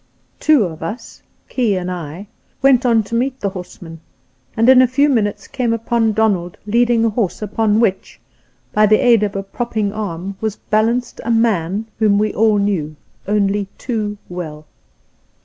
Two of us — Key and I — went on to meet the horseman, and in a few minutes came upon Donald leading a horse, upon which, by the aid of a prop ping arm, was balanced a man whom we aU knew — only too well.